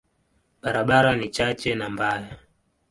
Barabara ni chache na mbaya.